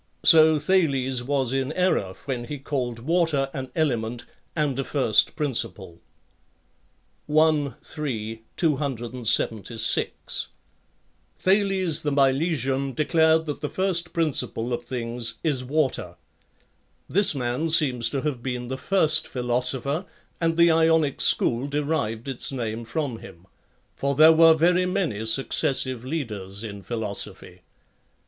So Thales was in error when he called water an element and a first principle. i.3; 276. Thales the Milesian declared that the first principle of things is water. [This man seems to have been the first philo sopher, and the Ionic school derived its name from him; for there were very many successive leaders in philosophy.